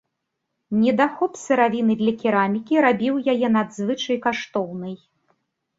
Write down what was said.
Недахоп сыравіны для керамікі рабіў яе надзвычай каштоўнай.